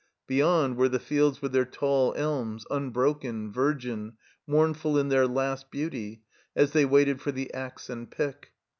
Beyond were the fields with their tall elms, unbroken, virgin, mournful in their last beauty, as they waited for the ax and pick.